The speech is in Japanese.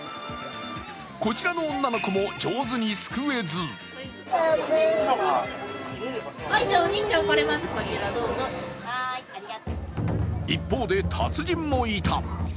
こちらの女の子も上手にすくえず一方で達人もいた。